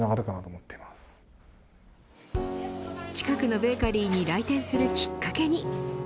近くのベーカリーに来店するきっかけに。